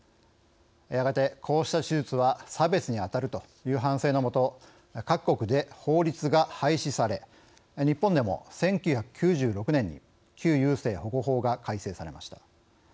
やがて、こうした手術は差別にあたるという反省のもと各国で法律が廃止され日本でも１９９６年に旧優生保護法が改正されました。